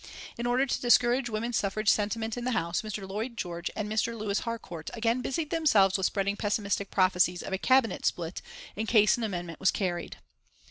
In order to discourage woman suffrage sentiment in the House, Mr. Lloyd George and Mr. Lewis Harcourt again busied themselves with spreading pessimistic prophecies of a Cabinet split in case an amendment was carried.